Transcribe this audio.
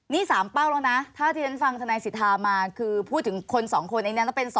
นี่สามเป้าแล้วนะถ้าทิ้งเสียงฟังธนัยสิรธามาคือพูดถึงคน๒คนอันนั้นก็เป็น๒